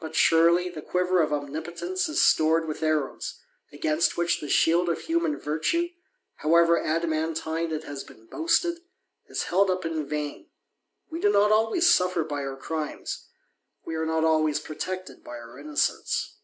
But, surely, the quiver of Omnipotence is stored ^th arrows, against which the shield of human virtue, however adamantine it has been boasted, is held up in vain : ^e do not always suffer by our crimes ; we are not always protected by our innocence.